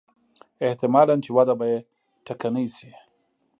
احتمالاً چې وده به یې ټکنۍ شي.